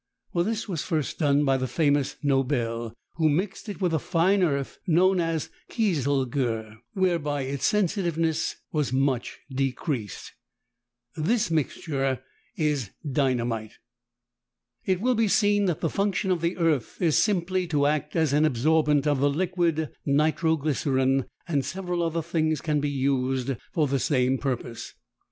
This was first done by the famous Nobel, who mixed it with a fine earth known as kieselguhr, whereby its sensitiveness was much decreased. This mixture is dynamite. It will be seen that the function of the "earth" is simply to act as an absorbent of the liquid nitro glycerine, and several other things can be used for the same purpose.